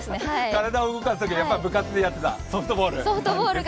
体を動かすときに部活でやってたソフトボール。